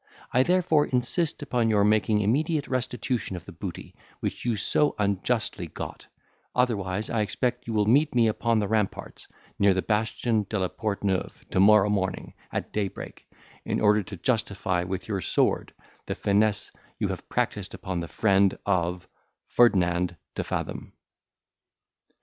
I therefore insist upon your making immediate restitution of the booty which you so unjustly got; otherwise I expect you will meet me upon the ramparts, near the bastion de la Port Neuve, to morrow morning at daybreak, in order to justify, with your sword, the finesse you have practised upon the friend of FERDINAND DE FATHOM."